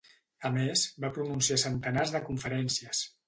A més, va pronunciar centenars de conferències.